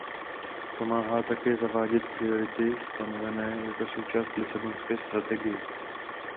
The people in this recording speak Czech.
Pomáhá také zavádět priority stanovené jako součást lisabonské strategie.